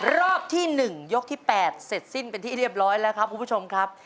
รอบที่๑ยกที่๘เสร็จสิ้นเป็นที่เรียบร้อยแล้วครับคุณผู้ชมครับ